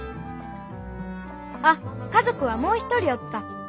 あっ家族はもう一人おった。